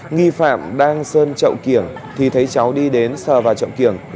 nghi phạm đang sơn chậu kiểng thì thấy cháu đi đến sờ vào chậu kiểng